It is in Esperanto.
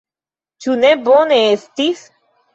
Ĉu ne bone estis?